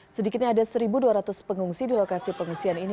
sedikitnya ada satu dua ratus pengungsi di lokasi pengungsian ini